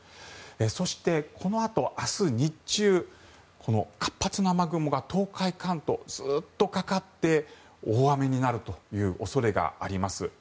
そして、このあと明日日中活発な雨雲が東海、関東、ずっとかかって大雨になるという恐れがあります。